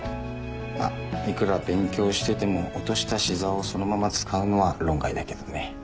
まっいくら勉強してても落としたシザーをそのまま使うのは論外だけどね。